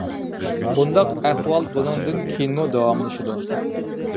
بۇنداق ئەھۋال بۇنىڭدىن كېيىنمۇ داۋاملىشىدۇ.